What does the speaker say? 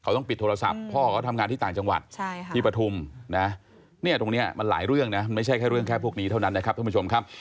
เขาต้องปิดโทรศัพท์พ่อเขาทำงานที่ต่างจังหวัดที่ปฐุม